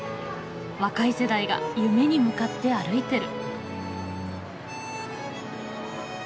若い世代が夢に向かって歩いてる。